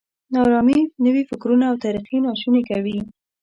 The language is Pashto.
نا ارامي نوي فکرونه او طریقې ناشوني کوي.